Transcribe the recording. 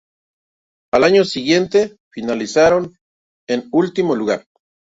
Al año siguiente, finalizaron en último lugar.